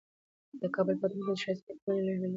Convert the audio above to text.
دې کابل په واټونو کې ښایسته لیکبڼي یا لوحی ولګیدي.